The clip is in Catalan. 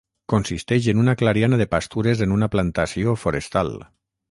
Consisteix en una clariana de pastures en una plantació forestal.